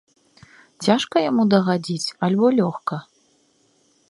Цяжка яму дагадзіць альбо лёгка?